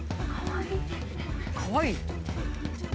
かわいい？